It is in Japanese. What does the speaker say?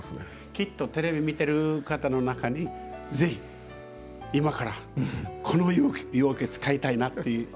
きっとテレビ見てる方の中にぜひ今からこの湯桶使いたいなって思う人が。